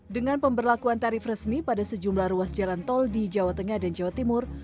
dengan pemberlakuan tarif resmi pada sejumlah ruas jalan tol di jawa tengah dan jawa timur